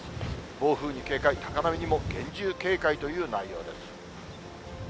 暴風に警戒、高波にも厳重警戒という内容です。